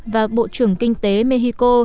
và bộ trưởng kinh tế mexico